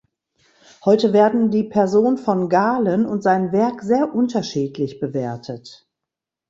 Heute werden die Person von Galen und sein Werk sehr unterschiedlich bewertet.